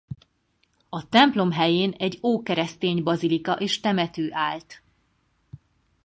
A templom helyén egy ókeresztény bazilika és temető állt.